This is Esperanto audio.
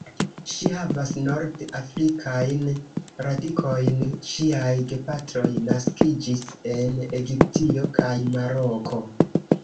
Ŝi havas nord-afrikajn radikojn; ŝiaj gepatroj naskiĝis en Egiptio kaj Maroko.